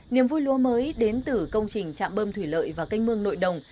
niềm vui lúa mới đến từ công trình chạm bơm thủy lợi và canh mương nội đồng